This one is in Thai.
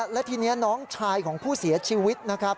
และทีนี้น้องชายของผู้เสียชีวิตนะครับ